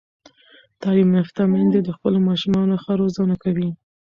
تعلیم یافته میندې د خپلو ماشومانو ښه روزنه کوي.